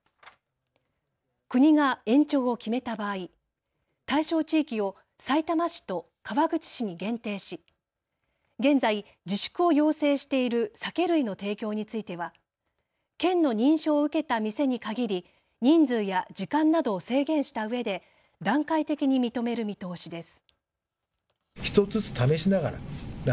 国が延長を決めた場合、対象地域を、さいたま市と川口市に限定し現在、自粛を要請している酒類の提供については県の認証を受けた店に限り人数や時間などを制限したうえで段階的に認める見通しです。